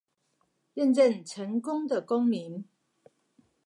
認證成功的公民